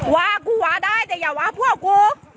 ว่ากูว่าได้แต่อย่าว่าพวกกู